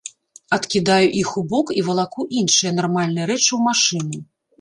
Адкідаю іх у бок і валаку іншыя, нармальныя рэчы ў машыну.